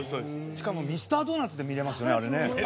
しかもミスタードーナツで見れますよねあれね。